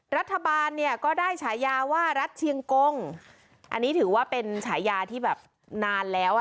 รัฐบาลเนี่ยก็ได้ฉายาว่ารัฐเชียงกงอันนี้ถือว่าเป็นฉายาที่แบบนานแล้วอ่ะ